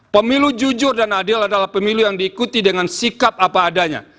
pemilu jujur dan adil adalah pemilu yang diikuti dengan sikap apa adanya